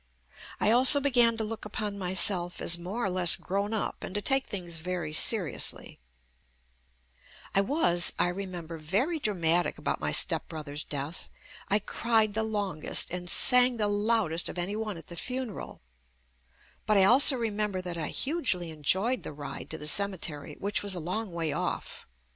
I also began to look upon myself as more or less grown up and to take things very seriously. JUST ME I was, I remember, very dramatic about my step brother's death. I cried the longest and sang the loudest of any one at the funeral, but I also remember that I hugely enjoyed the ride to the cemetery which was a long way off.